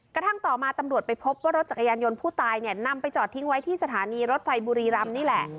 กระทั่งต่อมาตำรวจไปพบว่ารถจักรยานยนต์ผู้ตายเนี่ยนำไปจอดทิ้งไว้ที่สถานีรถไฟบุรีรำนี่แหละ